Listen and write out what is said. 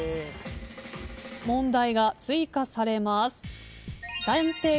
問題が追加されます。